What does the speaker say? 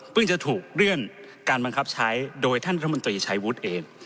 จะถูกเลื่อนการบังคับใช้โดยท่านรัฐมนตรีชัยวุฒิเอง